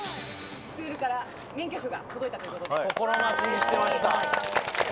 スクールから免許証が届いた心待ちにしてました。